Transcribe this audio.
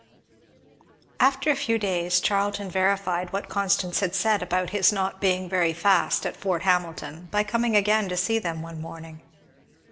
After a few days Charlton verified what Constance had said about his not being very fast at Fort Hamilton, by coming again to see them one morning.